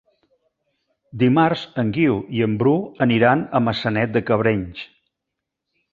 Dimarts en Guiu i en Bru aniran a Maçanet de Cabrenys.